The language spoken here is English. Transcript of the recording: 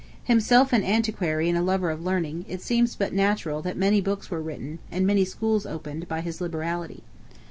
Himself an antiquary and a lover of learning, it seems but natural that "many books were written, and many schools opened," by his liberality.